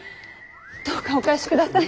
どうかお返しください。